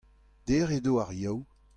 dec'h edo ar Yaou.